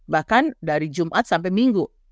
bahkan dari jumat sampai minggu